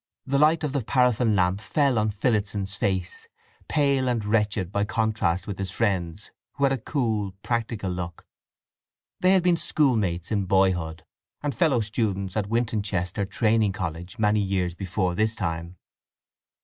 The light of the paraffin lamp fell on Phillotson's face—pale and wretched by contrast with his friend's, who had a cool, practical look. They had been schoolmates in boyhood, and fellow students at Wintoncester Training College, many years before this time.